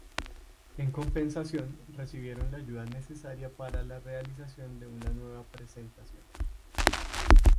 En compensación, recibieron la ayuda necesaria para la realización de una nueva presentación.